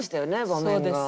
場面が。